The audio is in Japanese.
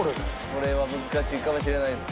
これは難しいかもしれないです。